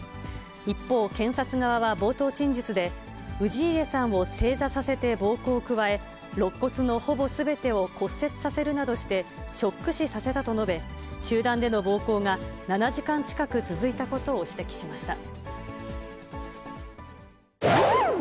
一方、検察側は冒頭陳述で、氏家さんを正座させて暴行を加え、ろっ骨のほぼすべてを骨折させるなどしてショック死させたと述べ、集団での暴行が７時間近く続いたことを指摘しました。